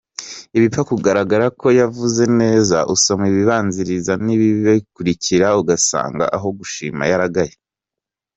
Ibipfa kugaragara ko yavuze neza, usoma ibibibanziriza n’ibibikurikira ugasanga aho gushima yaragaye.